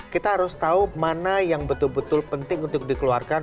kita harus tahu mana yang betul betul penting untuk dikeluarkan